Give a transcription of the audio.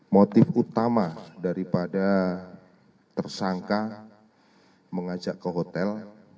motif utama daripada tersangka mengajak ke hotel